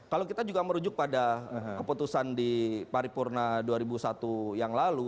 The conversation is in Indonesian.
kalau kita juga merujuk pada keputusan di paripurna dua ribu satu yang lalu